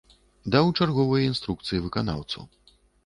Даў чарговыя інструкцыі выканаўцу.